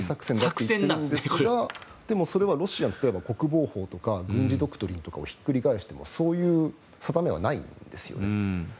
でもロシアは国防法とか軍事ドクトリンとかをひっくり返してもそういう定めはないんですよ。